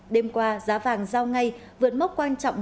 đêm qua giá vàng giao ngay vượt mốc quan trọng